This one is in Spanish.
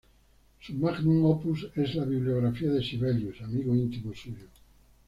Su "magnum opus" es la biografía de Sibelius, amigo íntimo suyo.